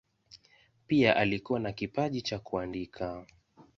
Pia alikuwa na kipaji cha kuandika.